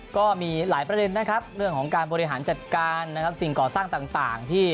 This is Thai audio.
ก็มีหลายประเด็นเรื่องของการบริหารแบบก่อก่อสร้างต่าง